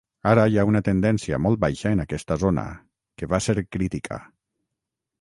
Ara hi ha una tendència molt baixa en aquesta zona, que va ser crítica.